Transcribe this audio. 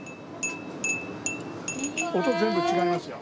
音全部違いますよ。